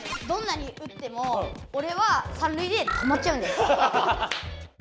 どんなに打ってもおれは３るいで止まっちゃうんです。